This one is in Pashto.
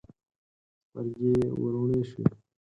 سترګې یې وروڼې شوې.